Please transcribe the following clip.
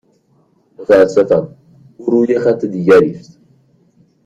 متاسفم، او روی خط دیگری است.